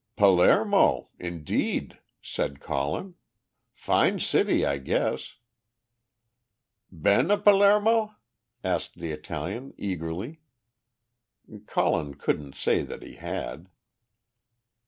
"Pal aer mo? Indeed!" said Colin. "Fine city, I guess." "Been a Pal aer mo?" asked the Italian eagerly. Colin couldn't say that he had.